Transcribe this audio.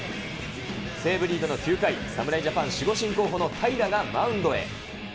西武リードの９回、侍ジャパン守護神候補の平良がマウンドへ。